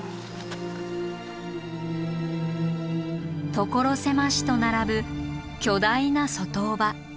所狭しと並ぶ巨大な卒塔婆。